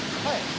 はい！